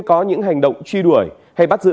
có những hành động truy đuổi hay bắt giữ